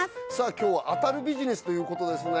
今日は当たるビジネスということですね